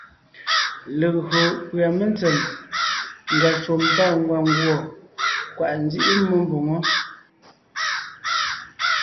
Legÿo pʉ́a mentsèm, ngwàshùm pâ ngwàngùɔ, kwàʼ nzíʼi mmó mbòŋo.